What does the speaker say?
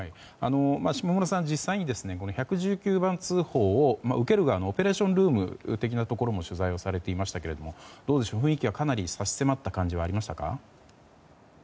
下村さん、実際に１１９番通報を受ける側のオペレーションルーム的なところも取材をされていましたがどうでしょう、雰囲気はかなり差し迫った感じはありましたか。